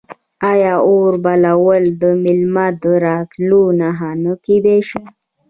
آیا اور بلول د میلمه د راتلو نښه نه کیدی شي؟